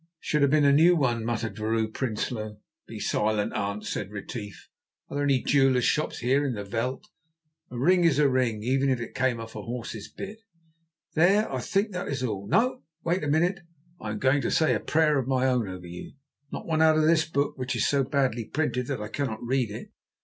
"It should have been a new one," muttered Vrouw Prinsloo. "Be silent, aunt," said Retief; "are there any jewellers' shops here in the veld? A ring is a ring, even if it came off a horse's bit. There, I think that is all. No, wait a minute, I am going to say a prayer of my own over you, not one out of this book, which is so badly printed that I cannot read it.